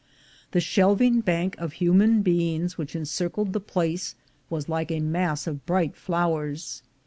The shelving bank of human beings which encircled the place was like a mass of bright flowers.